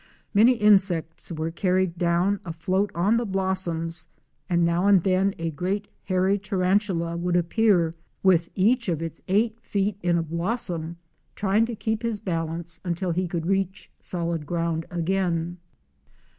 Many insects were carried down afloat on the blossoms and now and then a great hairy tarantula would appear, with THROUGH THE COASTAL WILDERNESS. 219 each of his eight feet in a blossom, trying to keep his balance until he could reach solid ground again.